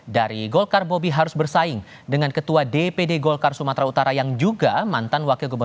dari golkar bobi harus bersaing dengan ketua dpd golkar sumatera utara yang juga mantan wakil gubernur